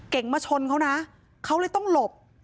มาชนเขานะเขาเลยต้องหลบ